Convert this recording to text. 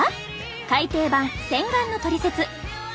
改訂版「洗顔のトリセツ」。